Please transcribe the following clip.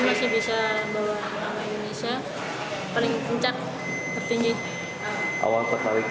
mudah mudahan masih bisa bawa indonesia paling kencang tertinggi